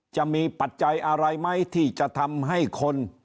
ปัจจัยอะไรไหมที่จะทำให้คน